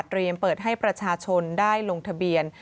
เปิดให้ประชาชนได้ลงทะเบียน